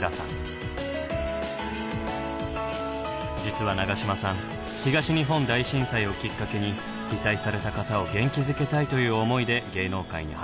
実は永島さん東日本大震災をきっかけに被災された方を元気づけたいという思いで芸能界に入ったんだそう。